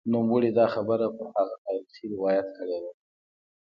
نوموړي دا خبره پر هغه تاریخي روایت کړې وه